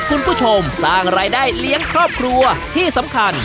คุณผู้ชมสร้างรายได้เลี้ยงครอบครัวที่สำคัญ